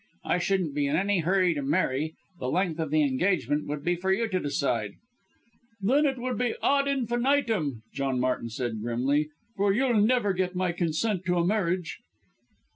I shouldn't be in any hurry to marry the length of the engagement would be for you to decide." "Then it would be ad infinitum," John Martin said grimly, "for you'll never get my consent to a marriage."